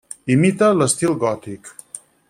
Imita l'estil gòtic.